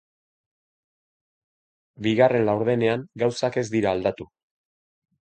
Bigarren laurdenean gauzak ez dira aldatu.